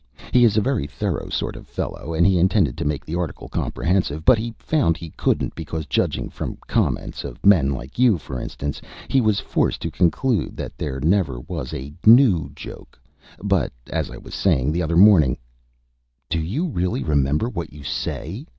He is a very thorough sort of a fellow, and he intended to make the article comprehensive, but he found he couldn't, because, judging from comments of men like you, for instance, he was forced to conclude that there never was a new joke. But, as I was saying the other morning " "Do you really remember what you say?"